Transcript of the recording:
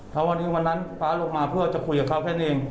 ถ้าวันนี้วันนั้นฟ้าลงมาเพื่อจะคุยกับเขาแค่นั้นเอง